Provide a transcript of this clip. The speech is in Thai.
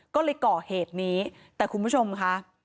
ก็เลยก่อเหตุนี้แต่คุณผู้ชมค่ะ